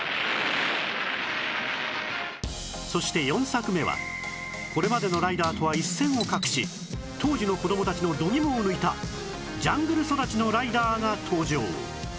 そして４作目はこれまでのライダーとは一線を画し当時の子供たちの度肝を抜いたジャングル育ちのライダーが登場